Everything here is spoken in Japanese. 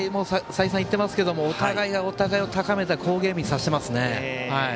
再三言ってますけどお互いがお互いを高めた好ゲームにさせていますね。